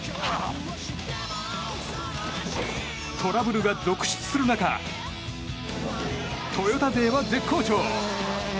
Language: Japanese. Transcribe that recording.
トラブルが続出する中トヨタ勢は絶好調。